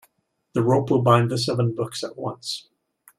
The rope will bind the seven books at once.